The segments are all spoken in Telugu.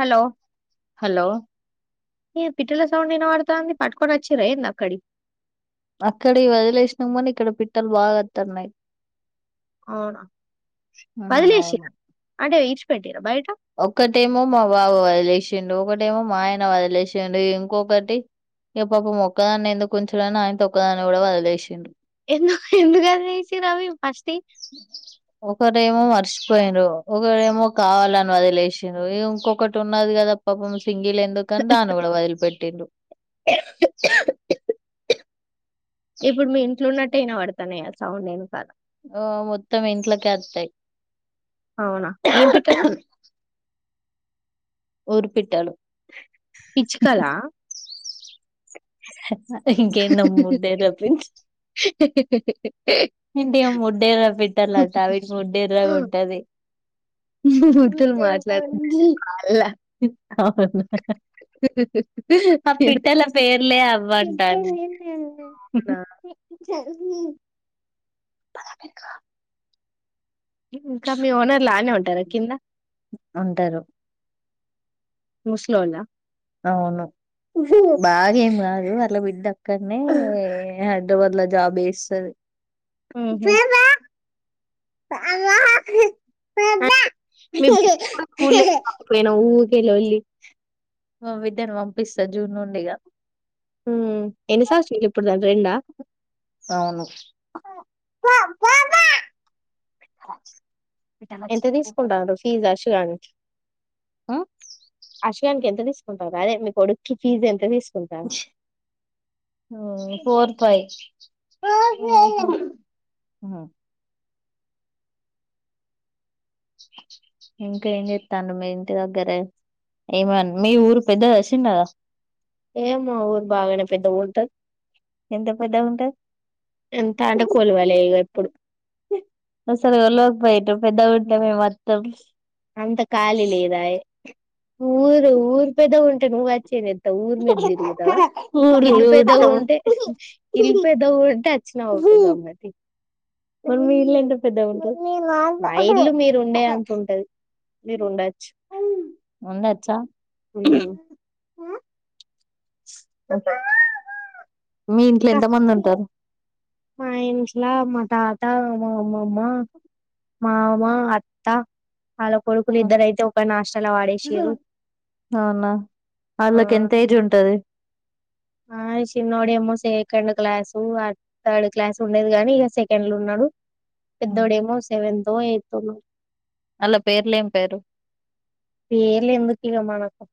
హలో హలో పిట్టల సౌండ్ వినపడుతోంది పట్టుకొని వచ్చింరా ఏది అక్కడివి. అక్కడయి వదిలేసినము కాని ఇక్కడ పిట్టలు బాగాత్తన్నాయి. అవునా అవును వదిలేసిన్రా అంటే ఇష్ పెట్టిండ్రా బయట ఒక్కటేమో మా బాబు వదిలేసిండు ఒకటేమో మా ఆయన వదిలేసిండు ఇంకొకటి పాపం మొక్కదాన్ని ఎందుకు ఉంచడాని ఆయనతో ఒక్కదాన్ని కూడా వదిలేసిండు. ఎందుకు వదిలేసిండ్రు అవి ఫస్ట్ యి ఒకరేమో వర్ష్ పోయిండ్రు ఒకరేమో కావాలని వదిలేసిన్రు ఇంకొకటి ఉన్నది కదా పాపం. సింగిలు ఎందుకు అని దాన్ని కూడా వదిలి పెట్టిండు. ఇప్పుడు మీ ఇంట్లో ఉన్నట్ అయినా పడుతన్నాయ ఆ సౌండ్ ఏం కాదు టీక్ ఓ మొత్తం ఇంట్లాకే వత్తయి. అవునా ఏం పెట్టారు. ఊరుపెట్టాలు పిచ్చుకల ఉమ్ ఇంకేంద ముడర పి ఇంటిక ముడేర పిట్టాల అంట అవికి ముడేర్రా ఉంటది బూతులు ఇే మాట్లాడే దానిలా అవు ఆ పిట్టల పేర్లే అవ్వంటాను. అవునా ఇంకా ఇంకా మీ ఓనర్ లు అనే ఉంట్ ధర కింద. ఉంటారు ముస్లోల్ల అవును బాగెం కాదు ఆళ్ల బిడ్డ అక్కడనే హైదరాబాద్ లో జాబ్ చేస్తాది ఊహు అ ఐతే మీ బిడ్డను కూడా స్కూల్లో వేసుకోకపోయినావు కిలో ఇ మా విద్యను పంపిస్తా జూన్ నుండిగా ఎన్నిసా వచ్చ ఇప్పుడుదా రెం అవును ఎంత తీసుకుంటడాా ఫీజ అ లంచ్ అసగానుక ఎంతని ఉంట అదే మీకు కొడుక్కి ఫీజ్ ఎంత తీసు ఫోర్ ఫైవ్ ఆ హమ్ ఉమ్ హ ఇంకా ఏం చెప్తాను మీ ఇంటి దగ్గరే ఏమ మీ ఊరు పెద్ద వచ్చండదా ఏమ్ ఊరు బాగానే పెద్ద ఊంటారు ఎంత పెద్దగా ఉంటది ఎంత అంటే కొలువలే ఇప్పుడు సరి లోక్ బయట్ పెద్ద ఉంటే మేము మొత్తం అంత ఖళీ లేదా ఊరు ఊరు పెద ఉంటా నువ్వు వచ్చినే ఊర్ మెద ఇరుగుదవ ఊరు ఇల్ పయదగు ఊత్తం ఉంటే ఇల్ పేదగు ఉంటే అచ్చనాతు గమ్మతి మరి మీ ఇల్లు ఎంత పెద్దగా ఉంటది మా ఇల్లు మీరు ఉండే అంత ఉంటది మీరు ఉండచ్చు అే మీ ఇంట్లో ఇంకా ఎంత మంది ఉంటారు మా ఇస్లా మా తాత మామ అమ్మమ్మ మామ అత్తా చళ్ళా కొడుకులు ఇద్దర అయితే ఒక నాష్టలా వాడేసారు అవునా ఆ వాళ్ళకి ఎంత ఏజ్ ఉంటది ఆ చిన్నోడు ఏమ్మో సెకండ్ క్లాసు థర్డ్ క్లాస్ ఉండేది కాగాని ఇక సెకండ్లు ఉన్నాడు పెద్దోడేమో సెవెంత ఎతు మ అలా పేర్లేం పేరు పేలే ఎందుకుగా మనకం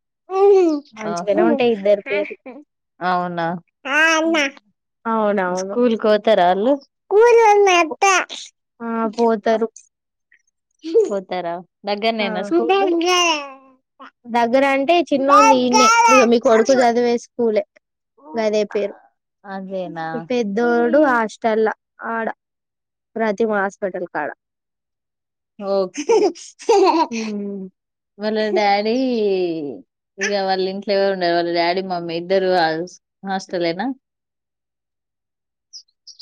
పేర్లు అవునా అవునవును స్కూల్కితారా అ న్నద్ద ఆ పోతారు పోతార దగ్గనేనా స్కూల్ ఆ దగ్గరం అంటే చిన్నోన్డి ఇన్నే ఇగా మీకు కొడుకు చదివే స్కూలే గదే పేరు అదేనా పెద్దోడు హాస్టల్లా ఆడ ప్రతిమ హాస్పిటల్ కాడ ఓ హ్మ్ వాళ్ళది డాడీ ఇగా వాళ్ళ ఇంట్లో ఎవరు ఉండరు. వాళ్ళ డాడీ మమ్మీ ఇద్దరు హాస్టలేన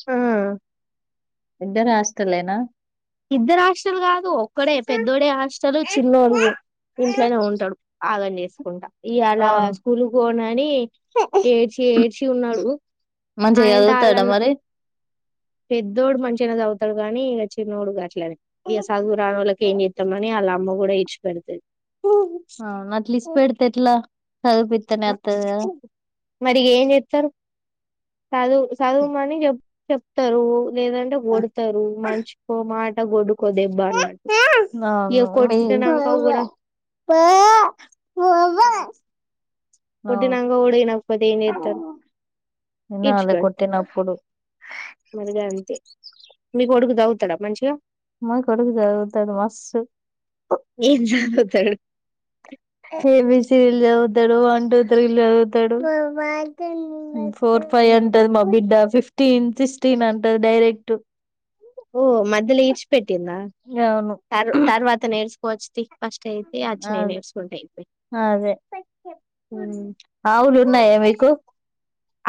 ఆ ఇద్దరు హాస్టల్లేనా ఇద్దరు హాస్టల్ కాదు ఒక్కడే పెద్దోడే హాస్టల్ చిన్నోడు ఇంట్లనే ఉంటాడు ఆగం చే సుకుంటా ఇయాలా అవును స్కూల్ పోనని ఏడ్చి ఏడ్చి చున్నాడు మంచిగా చదువుతాడా మరి పెద్దోడు మంచిగానే చదువుతాడు కానీ ఇక చిన్నోడు గ ట్లనే ఇగా చదువురానోళ్లకే ఏం చెత్తమని అలా అమ్మ కూడా ఈడ్చి పేడుతది చవిపిత్తనే వత్తది గదా మరి ఏం చెత్తారు చదువు చదువు మని చె చెప్తారు లేదంటే గోడతారు మనిషి కో మాట ట గోడ్డు నాను వి కొట్టినంక కూడా కొట్టి నాంగా వినకపోతే ఏం చెత్తరు వినాలి ఈడ్చిపెడుతారు కొట్టినప్పుడు మరి గంతే మీ కొడుకు దాగుతాడా మంచిగా మ కొడుకు చదువుతాడు మస్త్ స ఎ బి సి డి లు చదువుతాడు వన్ టూ త్రీ చదువుతాడు ఫోర్ ఫైవ్ అంటది మా బిడ్డ ఫిఫ్ ఫఫ్టీన్ సిక్స్టీన్ అంటది డైరెక్ట్ ఓ మధ్యలో ఇచప పెట్ పెట్టిందా అవును తర్ తర్వాత నేర్చుకోవచ్చది అదే అదే ఆవులు ఉన్నా ఏ బకు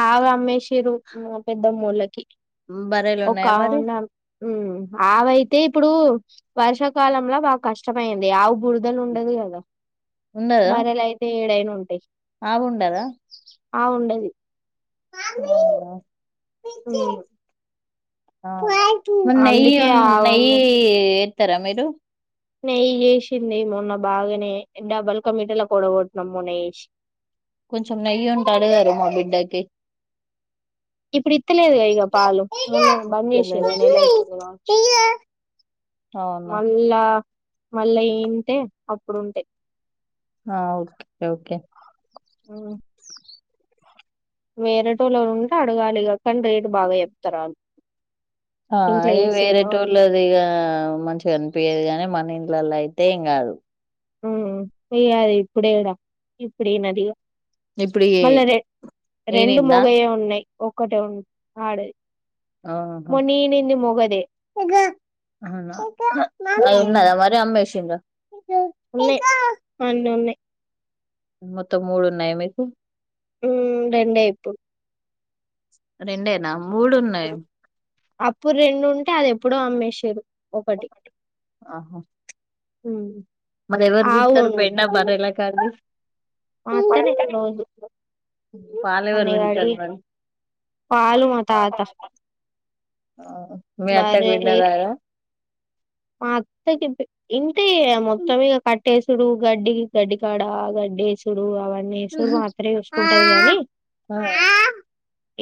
ఆ హమేష ఫరు పెద్ద మూల బరేలు ఉన్నాయా మరి ఆవయితే ఇప్పుడు వర్షాకాలంలో బాగా కష్టమైంది ఆవు బురుదలు ఉండదు కదా బారాల అయితే ఏను ఉంటయి ఆవుండదా ఉండది అ అ న ఆవు న అమ్మేసి ఇస్తారా మీరు నెయ్యి ఏసింది మొన్న బాగానే డబల్ క మీటల కూడ కొట్న మొన్నేసి కొంచెం నెయ్యి ఉంట అడగారు మా బిడ్డకి ఇప్పుడు ఇత్తలేదుగా ఇక పాలు మొన్న బంద్ ఇస్తలేదా చేసింది నెలవుతుంది అవునా మళ్ళా మళ్ళా ఏంటే అప్పుడుంటా ఆ ఓకే ఓకే ఊ వేరేటోళ్లో ఉంటే అడగాలిగాకని రేటు బాగా చెప్తారు అ ఆ అది వేరే టూర్ళదిగా మంచిగా కనిపయేది గాని మ నీంలల అయితే ఇం కా అదు పోయ్యదు ఇప్పుడే ఇప్పుడ నదిగా ఇప్పుడు ఈ మళ్ళా రె రెండు ఈనిందా మొగయే ఉన్నాయి్ ఒక్కటే ఉం ఆడది అ మొన్న ఈనింది మొగదే ఉమ్ ఆన్నదా మరి అమ్మేష ఉన్నాయి అన్న ఉన్నాయి మొత్తం మూడు ఉన్నాయి మీకు రెండయిపు రెండేనా మూడు ఉన్నాయి ఉమ్. అప్పుడు రెండు ఉంటే అది ఎప్పుడో అమ్మేసారు ఆహా ఉ మరి ఎవరు బ వితారు పయ ఎన్నా బరలా కదు మాత్రమే రోజు పాలు ఎవరు అనివాడి పిండుతారు మరి పాల మతత మీ అత్త విన్నారగా మత్త ఇం అంటే మొత్తం ఇక కట్టేసుడు గడ్డి గడ్డికాడ గడ్డేసుడు అవన్న నేసుూరు మాత్రమే చూసుకుంటది కాగాని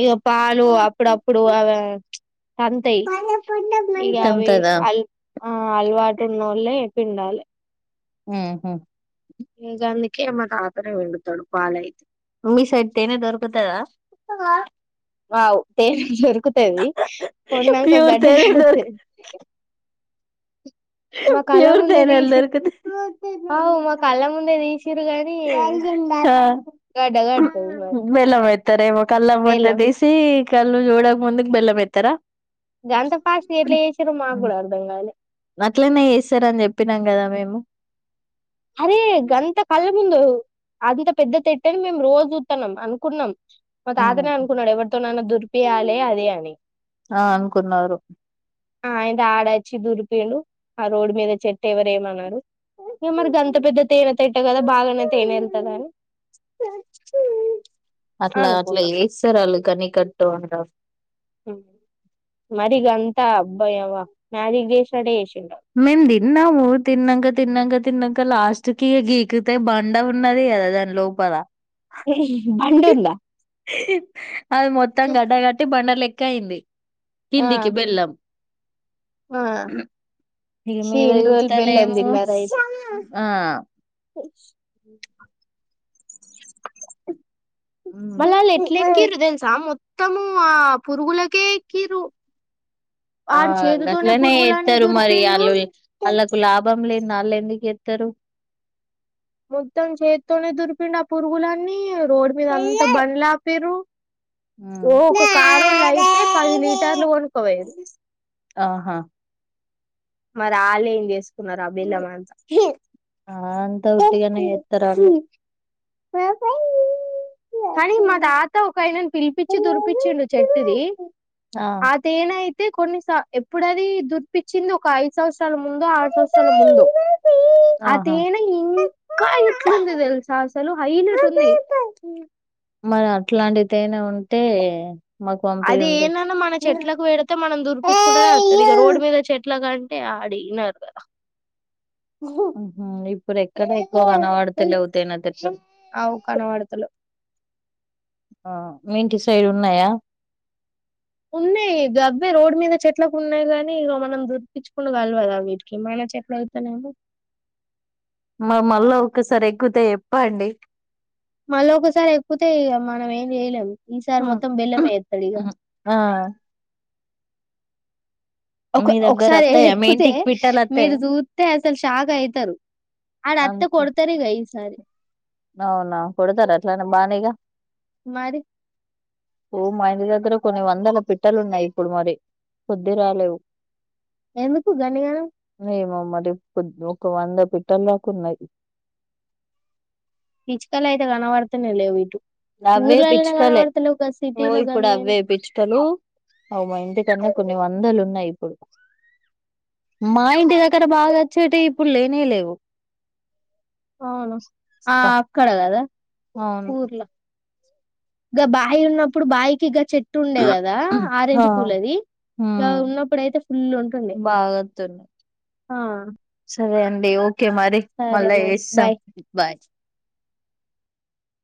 ఇక పాలు అప్పుడప్పుడు అవి ఆ అవి తదా అల్ ఆ అలవాటు ఉన్న వాళ్ళ పిండాలి ఆహా ఏ గగాధీ అేమ్మ తాతనే వెెండుతాడు పాాల అయితే మీ సైడ్తేేనే దొరుకతదా ఆవు తేెలరు ఉక్కుతవి పన్నాక ప్యూర్ గడ్డలు తేనె కతే దొరుకు ప్యూర్ తైన్ ఎ తీసి అవు మా కళ్ళ ముందే తీసిరు గాని గడ్డ కడుతది మరి మెల్ల మయితారమ కల్ల ముంద వేళ్ళ తీసి కల్లు జోడా్ ముందకు బెల్ం మైతా గంత ఫస్ట్ ఎట్లా చేసారు మాకు కూడా అర్ధం కాలి అట్లనే వస్తారని చెప్పినాం కదా మేము అరే గంత కళ్ ముందు అంత పెద్ద తట్టని మేము రోజు చూతన్నాం అనుకున్నాం మా తాతనే హ్మ్. అనుకున్నాడు ఎవరితోనైనా దురిపియాలి అదే అని ఆ అనుకున్నారు ఆ ఆయన ఆడ చిదూరి పలు ఆ రోడ్ మీద చెట్టు ఎవర ఏమన్నారు అంత పెద్ద తేనె తట్టా కదా బాగానే తేనె వెళ్తుంది అని అనుకున్నాం కని కట్టంట మరిగ అంతా అబ్బాయివా మారీగ చేసినడే మేమ్ దిన్ము తిన్నంగా తిన్నంగా తన్నకా లాస్ట్కి అ గకత బండా ఉన్నది ఎద తనలో ప ఆ బండు ఉందా హ అది మొత్తం గడ్డ గట్టి బండర్ల అయింది ఆ కిందికి వెళ్ళం ఆ ఇక మీద శీన్ రోల్ బెల్లం చూస్తానేమో తిన్నారైతే ఆ మలా అల్లు హ్మ్. ఎక్కురు తెలుసా మో మొత్తము ఆ పురుగులకే ఎక్కురూ ఆ గట్లనే ఇస్తారు మరి దురిపిండు అలు వాళ్ళకు లాభం లేందే వాళ్ళు ఎందుకు ఇస్తారు మొత్తం చేతితోనే దురిపిండు ఆ పురుగులన్నీ రోడ్ మీద అంత బండ్లు అపీరు ఓ ఒక కారుళ్ళు అయితే పది లీటర్లు కొనుక్కపోయిరు ఆహా మరి అల్లు ఏం చేసుకో ఆ అంత ఉటిగానే [unintelligible] కానీ మా తాత ఒకనా పిలిపించి దురిపచ్చిండు చెట్టుది ఆ అదేనైతే అయితే కొన్నిస ఎప్పుడది దురిపచ్చింది ఒక ఐదు సంవత్సరం ఆరు సంవత్సరాల ముందొ ఆరు సంవత్సరాల ముందొ అ ఆహా తేనె ఇంకా ఇట్లుంది తెలుసా అసలు హైలట్ ఉంది తేనే ఉంటే మాకు అది పంపియుండ్రి ఎందన మన చెట్లకు పెడితే మనం దురిపించుకుంటేనే అడుతుది ఇక రోడ్ మీద చెట్ల కాని ఆడిన్నద ఇప్పుడు ఎక్కడ ఎక్కువ అడుతలేవు తేనే [unintelligible] ఆవు కనబడతలేవు ఆ మీ ఇంటి సైడ్ ఉన్నాయా ఉన్నాయి గవై రోడ్ మీద చెట్లకు ఉన్నాయి గాని ఇగా మనం దురికిించుకుడాగలవదా వీటికి మన చెట్ల అవుతనేేమో మళ్ళా ఒక్కసారి ఎక్కితే ఎప్పండి మళ్ళ ఒకసారి ఎక్కుతే ఇక మనం ఏం చేయలేము ఈసారి మొత్తం బెల్లమే ఎస్తాడు ఇక ఆ ఒక మీ దగ్గర ఒకసారి అత్తయ్య మీ ఎక్కుతే ఇంటికి పిట్టలు అత్తయ్య మీరు చూస్తతే అసలు షాక్ అయితారు ఆడ అట్టే అంతే కొడతారుగా ఈసారి అవునా కొడతారు అట్లనే బానేగా మరి ఓ మా ఇంటి దగ్గర కొన్ని వందల పిట్టలు ఉన్నాయి ఇప్పుడు మరి కొద్ది రాలేవు ఎందుకు గన్ని గనం ఏమో మరి ఒక వంద పెట్టాలదకున్నాయి పిచుకలు అయితే కానవడతనే లేవు ఇటు అవే ఊర్లలోనే పిచ్చుకలే కనబడతలేవు గా ఓ సిటీలో ఇప్పుడు గన్నేనా అవే పిచ్చుకలు అవుమా ఇంటికనే కొన్ని వందలు ఉన్నాయి ఇప్పుడు మా ఇంటి దగ్గర బాగా వచ్చేట ఇప్పుడు లేనే లేవు అవును ఆ అక్క అక్కడ గదా అవును ఇక బాయి ఉన్నప్పుడు బావికి ఇక చెట్ ఉట్టుండే కదా ఆ ఆరెంజ్ కూల అది ఇ ఉన్నప్పుడుయితే ఫుల్ ఉంటుండే బాగోతున్నాయి ఆ ంట ఓకే మరి మళ సరే ఏ మరి స బాయ్ బయ